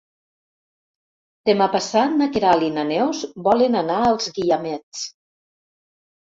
Demà passat na Queralt i na Neus volen anar als Guiamets.